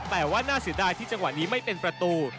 แต่ว่าน่าเสียดายที่จังหวะนี้ไม่เป็นประตู